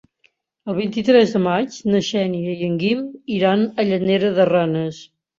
El vint-i-tres de maig na Xènia i en Guim iran a Llanera de Ranes.